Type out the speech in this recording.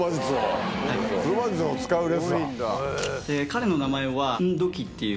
彼の名前は。